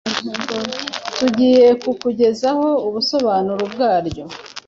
tugiye kukugezaho ubusobanuro bwaryo